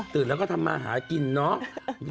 ตื่นแล้วก็ทำมาหากินเนาะ